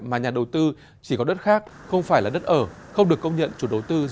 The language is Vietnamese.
mà nhà đầu tư chỉ có đất khác không phải là đất ở không được công nhận chủ đầu tư